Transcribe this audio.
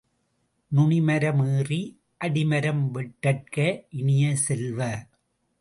நுனிமரம் ஏறி அடிமரம் வெட்டற்க இனிய செல்வ!